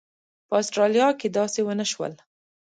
په اسټرالیا کې داسې ونه شول.